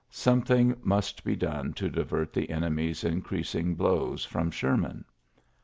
Something must be done to divert the enemy's increasing blows from Sherman.